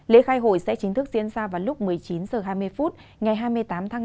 lễ khai hội sẽ chính thức diễn ra vào lúc một mươi chín h hai mươi phút ngày hai mươi tám tháng năm